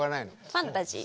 ファンタジーです。